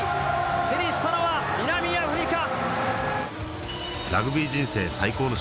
手にしたのは南アフリカ！